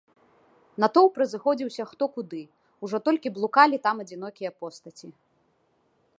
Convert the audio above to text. Натоўп разыходзіўся хто куды, ужо толькі блукалі там адзінокія постаці.